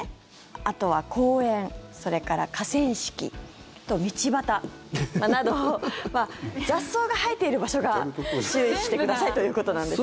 あとは公園、それから河川敷道端などと雑草が生えている場所が注意してくださいということなんです。